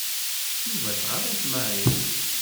Yuba tɣaḍ-it Mary.